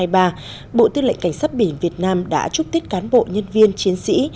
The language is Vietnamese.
bộ tư lệnh cảnh sát biển việt nam đã chúc tết cán bộ nhân viên chiến sĩ